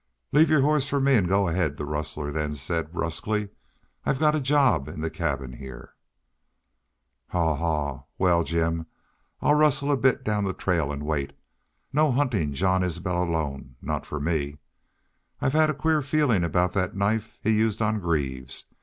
"Leave your hoss for me an' go ahaid," the rustler then said, brusquely. "I've a job in the cabin heah." "Haw haw! ... Wal, Jim, I'll rustle a bit down the trail an' wait. No huntin' Jean Isbel alone not fer me. I've had a queer feelin' about thet knife he used on Greaves.